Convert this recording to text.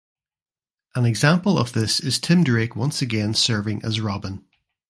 An example of this is Tim Drake once again serving as Robin.